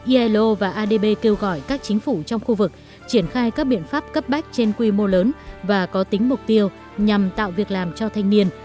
ilo và adb kêu gọi các chính phủ trong khu vực triển khai các biện pháp cấp bách trên quy mô lớn và có tính mục tiêu nhằm tạo việc làm cho thanh niên